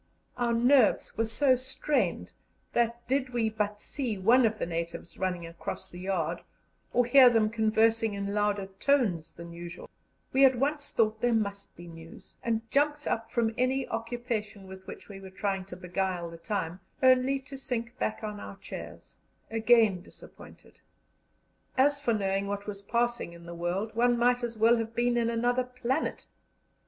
Our nerves were so strained that, did we but see one of the natives running across the yard, or hear them conversing in louder tones than usual, we at once thought there must be news, and jumped up from any occupation with which we were trying to beguile the time, only to sink back on our chairs again disappointed. As for knowing what was passing in the world, one might as well have been in another planet.